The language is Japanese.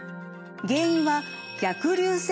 原因は逆流性